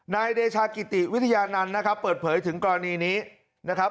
นายเดชากิติวิทยานันต์นะครับเปิดเผยถึงกรณีนี้นะครับ